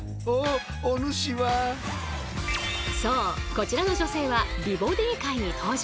こちらの女性は「美・ボディー」回に登場！